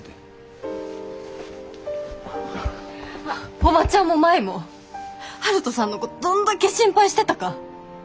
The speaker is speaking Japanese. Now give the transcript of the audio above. おばちゃんも舞も悠人さんのことどんだけ心配してたか。